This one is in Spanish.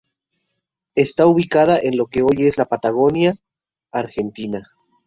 Estaba ubicada en lo que hoy es la Patagonia argentina.